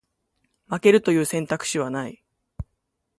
負けるという選択肢はない